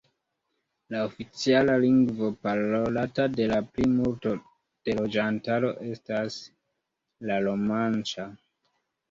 La oficiala lingvo parolata de la plimulto de loĝantaro estas la romanĉa.